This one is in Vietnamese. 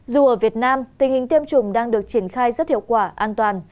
dù ở việt nam tình hình tiêm chủng đang được triển khai rất hiệu quả an toàn